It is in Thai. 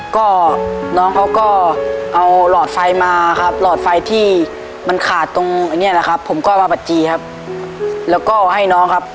ก็น้องเขาก็เอาหลอดไฟมาครับหลอดไฟที่มันขาดตรงอันนี้แหละครับผมก็เอามาบัดจีครับแล้วก็ให้น้องครับ